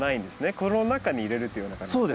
この中に入れるというような感じで。